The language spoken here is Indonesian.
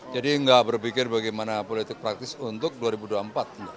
jadi tidak berpikir bagaimana politik praktis untuk dua ribu dua puluh empat belum